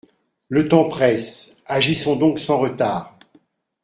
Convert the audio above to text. Le temps presse, agissons donc sans retard.